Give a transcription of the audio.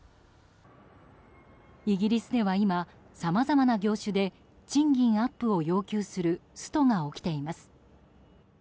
イギリスでは今、さまざまな業種で賃金アップを要求するストが起きています。